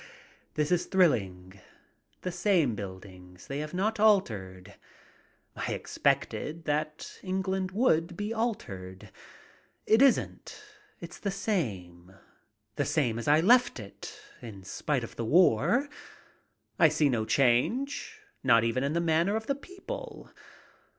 This is thrilling. The same buildings. They have not altered. I ex pected that England would be altered. It isn't. It's the same. The same as I left it, in spite of the war. I see no change, not even in the manner of the people.